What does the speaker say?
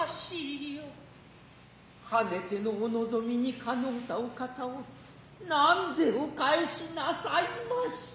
予てのお望みに叶うたお方を何でお帰しなさいました。